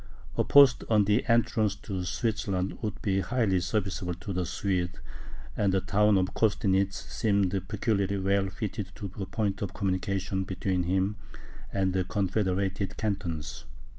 A post on the entrance to Switzerland, would be highly serviceable to the Swedes, and the town of Kostnitz seemed peculiarly well fitted to be a point of communication between him and the confederated cantons.